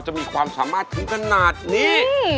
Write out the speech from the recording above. จะมีความสามารถถึงขนาดนี้